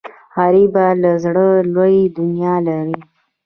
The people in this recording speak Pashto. غریب له زړه لوی دنیا لري